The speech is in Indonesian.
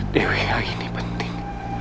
dewi yang ini penting